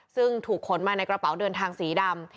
ซึ่งถูกขนมาในกระเป๋าเดินทางสีดำ